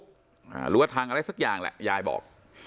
หรือว่าทางอะไรสักอย่างแหละยายบอก